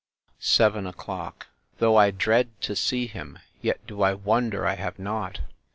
Seven o'clock. Though I dread to see him, yet do I wonder I have not.